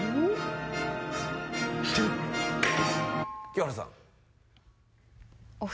清原さん。